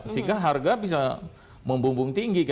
sehingga harga bisa membumbung tinggi